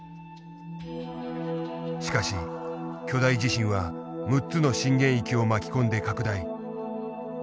しかし巨大地震は６つの震源域を巻き込んで拡大。